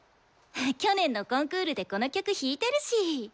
去年のコンクールでこの曲弾いてるし。